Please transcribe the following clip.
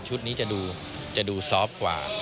ชุดนี้จะดูซอฟต์กว่า